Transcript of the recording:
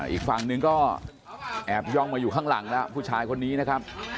อีกฝั่งหนึ่งก็แอบย่องมาอยู่ข้างหลังแล้วผู้ชายคนนี้นะครับ